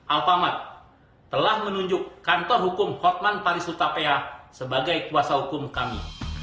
alfamart telah menunjuk kantor hukum hotman paris utapaya sebagai kuasa hukum kami